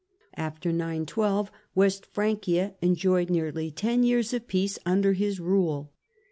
After 912 West Francia enjoyed nearly ten years of peace under his rule.